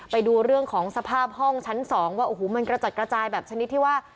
ไปดูเรื่องของสภาพห้องชั้น๒ว่าโอ้โหมันกระจัดกระจายแบบชนิดที่ว่า